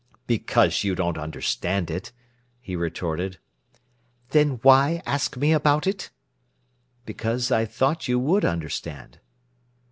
"Because you don't understand it," he retorted. "Then why ask me about it?" "Because I thought you would understand."